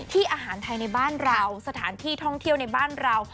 อาหารไทยในบ้านเราสถานที่ท่องเที่ยวในบ้านเรา